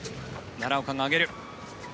奈良岡が上げる。